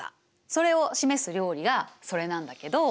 それを示す料理がそれなんだけど。